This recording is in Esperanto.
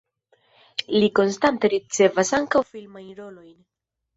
Li konstante ricevas ankaŭ filmajn rolojn.